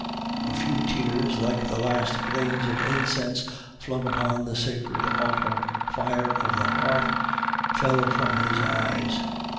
A few tears, like the last grains of incense flung upon the sacred alter fire of the hearth, fell from his eyes.